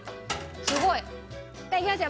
すごい！いきますよ。